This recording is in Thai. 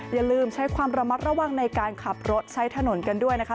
อย่าลืมใช้ความระมัดระวังในการขับรถใช้ถนนกันด้วยนะคะ